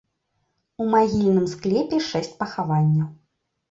У магільным склепе шэсць пахаванняў.